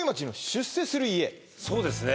そうですね